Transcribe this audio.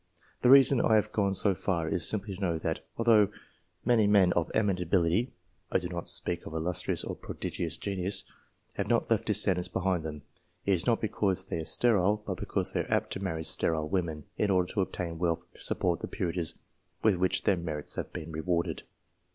The reason I have gone so far is simply to show that, although many men of eminent ability (I do not speak of illustrious or prodigious genius) have not left descendants behind them, it is not because they are sterile, but because they are apt to marry sterile women, in order to obtain wealth to support the peerage with which their merits have been rewarded.